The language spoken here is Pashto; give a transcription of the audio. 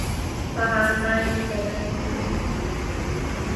په هر ځای کې پیدا کیږي.